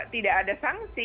tidak ada sanksi